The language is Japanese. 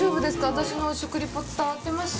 私の食リポ、伝わってました？